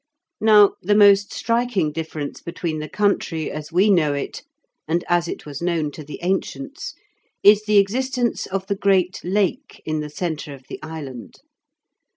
Now the most striking difference between the country as we know it and as it was known to the ancients is the existence of the great Lake in the centre of the island.